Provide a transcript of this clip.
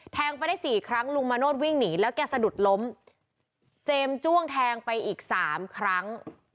ไปได้สี่ครั้งลุงมาโนธวิ่งหนีแล้วแกสะดุดล้มเจมส์จ้วงแทงไปอีกสามครั้ง